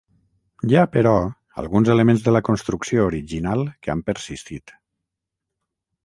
Hi ha però alguns elements de la construcció original que han persistit.